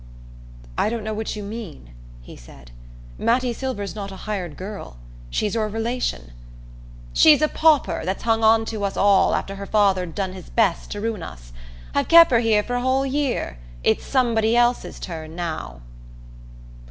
"I don't know what you mean," he said. "Mattie Silver's not a hired girl. She's your relation." "She's a pauper that's hung onto us all after her father'd done his best to ruin us. I've kep' her here a whole year: it's somebody else's turn now."